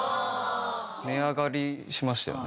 値上がりしましたよね。